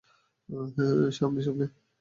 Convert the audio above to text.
সামলে, সামলে।